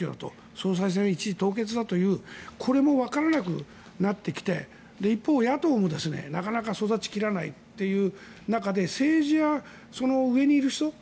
総裁選は一時凍結だというこれもわからなくなってきて一方、野党もなかなか育ち切らないという中で政治や上にいる人